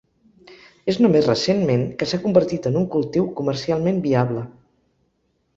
És només recentment que s'ha convertit en un cultiu comercialment viable.